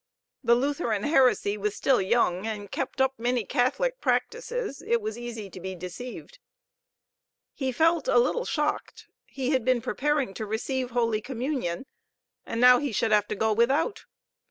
The Lutheran heresy was still young and kept up many Catholic practices. It was easy to be deceived. He felt a little shocked. He had been preparing to receive Holy Communion, and now he should have to go without.